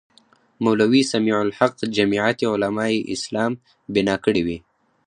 مولوي سمیع الحق جمیعت علمای اسلام بنا کړې وې.